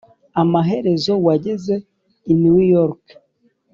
amaherezo wageze i new york